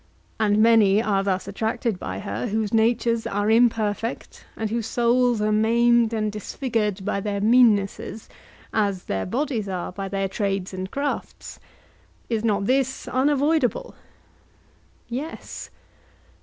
And many are thus attracted by her whose natures are imperfect and whose souls are maimed and disfigured by their meannesses, as their bodies are by their trades and crafts. Is not this unavoidable? Yes.